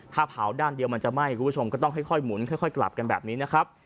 ถ้าเผาด้านเดียวมันจะไหม้คุณผู้ชมก็ต้องค่อยหมุนค่อยกลับกันแบบนี้นะครับ